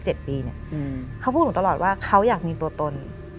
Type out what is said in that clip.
เขาพูดหนูตลอดว่าเขาอยากมีตัวตน